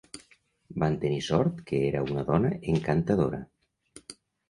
Van tenir sort que era una dona encantadora.